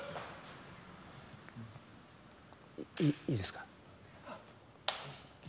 いいいですか？